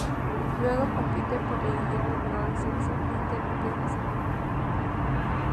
Luego compite por liguilla del no descenso e irrumpió en la segunda.